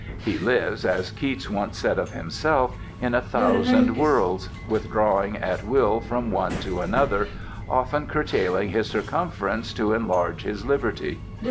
He lives, as Keats once said of himself, "in a thousand worlds," withdrawing at will from one to another, often curtailing his circumference to enlarge his liberty.